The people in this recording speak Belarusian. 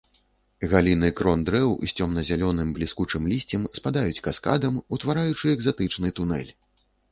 Галіны крон дрэў з цёмна-зялёным бліскучым лісцем спадаюць каскадам, утвараючы экзатычны тунэль.